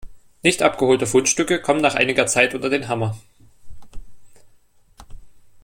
Nicht abgeholte Fundstücke kommen nach einiger Zeit unter den Hammer.